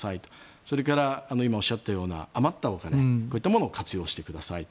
それから今おっしゃったような余ったお金こういったものを活用してくださいと。